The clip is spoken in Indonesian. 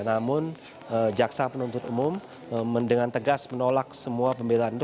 namun jaksa penuntut umum dengan tegas menolak semua pembelaan itu